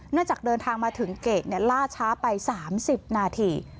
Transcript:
จากเดินทางมาถึงเกรดล่าช้าไป๓๐นาที